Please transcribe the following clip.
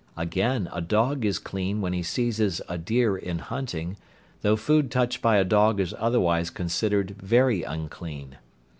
Again a dog is clean when he seizes a deer in hunting, though food touched by a dog is otherwise considered very unclean.